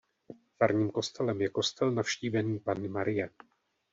Farním kostelem je kostel Navštívení Panny Marie.